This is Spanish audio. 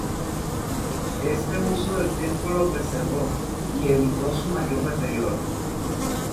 Este uso del templo lo preservó, y evitó su mayor deterioro.